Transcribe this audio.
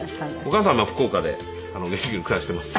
お母さんは福岡で元気に暮らしています。